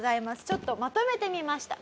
ちょっとまとめてみました。